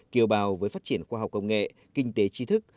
kiều bào với phát triển khoa học công nghệ kinh tế tri thức